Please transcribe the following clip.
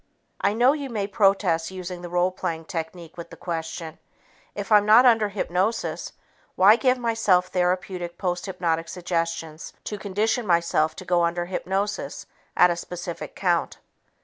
I know you may protest using the role playing technique with the question, "If I'm not under hypnosis, why give myself therapeutic posthypnotic suggestions to condition myself to go under hypnosis at a specific count?"